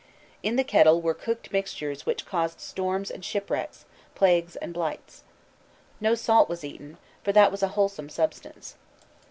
In the kettle were cooked mixtures which caused storms and shipwrecks, plagues, and blights. No salt was eaten, for that was a wholesome substance.